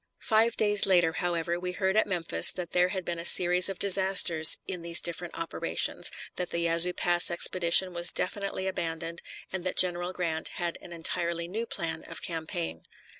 Five days later, however, we heard at Memphis that there had been a series of disasters in these different operations, that the Yazoo Pass expedition was definitely abandoned, and that General Grant had an entirely new plan of campaign.